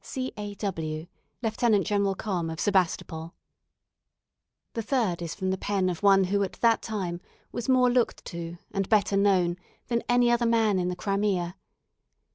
"C. A. W , "Lt. Gen. Comm. of Sebastopol." The third is from the pen of one who at that time was more looked to, and better known, than any other man in the Crimea.